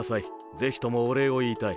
ぜひともおれいをいいたい。